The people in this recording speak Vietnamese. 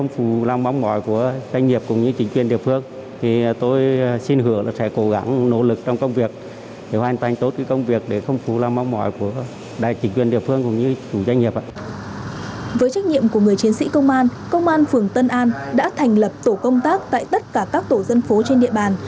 người chiến sĩ công an công an phường tân an đã thành lập tổ công tác tại tất cả các tổ dân phố trên địa bàn